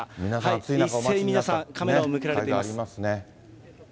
一斉に皆さんカメラを向けられています。